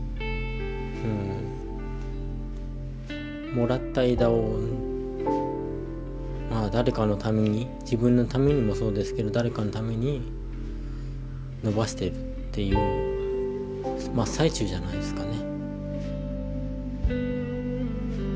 もらった枝をまあ誰かのために自分のためにもそうですけど誰かのために伸ばしているっていう真っ最中じゃないですかね。